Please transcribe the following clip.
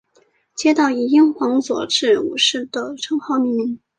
街道以英皇佐治五世的称号命名。